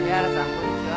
こんにちは。